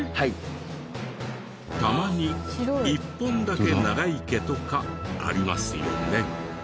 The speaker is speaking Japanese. たまに１本だけ長い毛とかありますよね。